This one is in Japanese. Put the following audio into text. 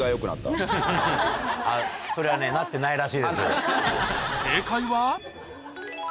それはねなってないらしいです。